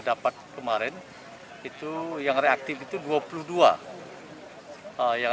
dapat kemarin itu yang reaktif itu dua puluh dua yang reaktif dan sudah diambil swab ternyata ada enam belas yang